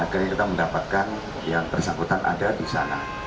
akhirnya kita mendapatkan yang bersangkutan ada di sana